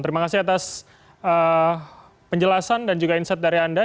terima kasih atas penjelasan dan juga insight dari anda